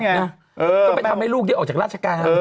ก็ไปทำให้ลูกได้ออกจากราชการ